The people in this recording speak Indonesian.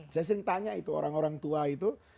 saya sering tanya itu orang orang tua itu